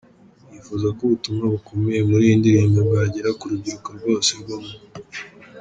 yifuza ko ubutumwa bukubiye muri iyi ndirimbo bwagera ku rubyiruko rwose rwo mu.